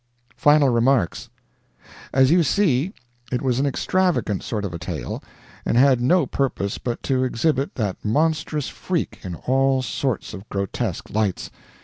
FINAL REMARKS As you see, it was an extravagant sort of a tale, and had no purpose but to exhibit that monstrous "freak" in all sorts of grotesque lights.